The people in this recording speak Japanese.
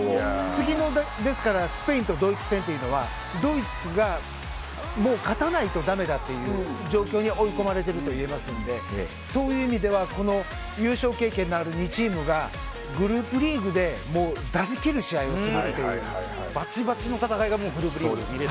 次のスペインとドイツ戦はドイツが勝たないとだめだという状況に追い込まれているといえますのでそういう意味では優勝経験のある２チームがグループリーグで出し切る試合をするっていうバチバチの戦いがグループリーグで。